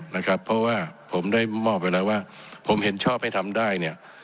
นะครับเพราะว่าผมได้มอบไปแล้วว่าผมเห็นชอบให้ทำได้เนี่ย